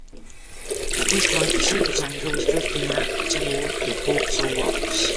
At this point the supertanker was drifting at toward the Portsall Rocks.